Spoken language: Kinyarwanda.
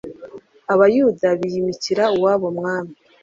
abayuda biyimikira uwabo mwami